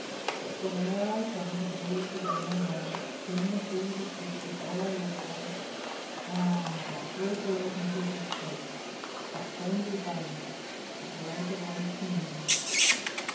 But whene'er I turn To gaze again on her, of whom with thee To speak, is all I live for, ah, That great delight increases still, That frenzy fine, the breath of life, to me!